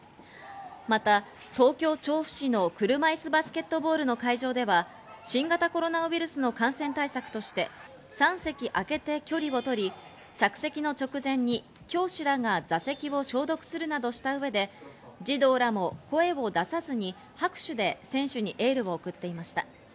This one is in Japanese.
また東京・調布市の車いすバスケットボールの会場では新型コロナウイルスの感染対策として、３席あけて距離をとり、着席の直前に教師らが座席を消毒するなどした上で児童らも声を出さずに拍手で選手にエールを送っていました。